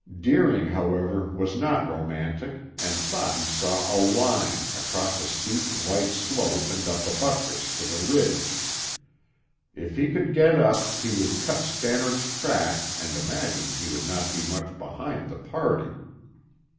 Deering, however, was not romantic and thought he saw a line, across a steep, white slope and up a buttress, to the ridge. If he could get up, he would cut Stannard's track and imagined he would not be much behind the party.